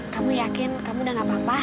kamu yakin kamu udah gak apa apa